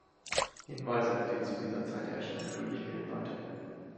Hinweise auf den zu dieser Zeit herrschenden König fehlen weiterhin.